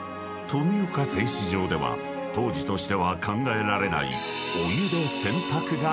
富岡製糸場では当時としては考えられない］